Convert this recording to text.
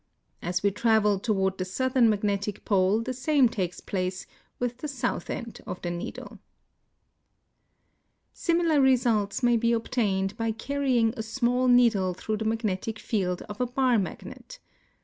As we travel toward the southern magnetic pole the same takes place with the south end of the, needle. Similar results may be obtained by carrying a small needle through the magnetic field of a bar magnet.